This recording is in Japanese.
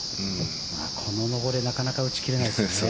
この上りなかなか打ち切れないですよね。